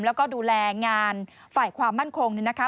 แล้วก็ดูแลงานฝ่ายความมั่นคงเนี่ยนะคะ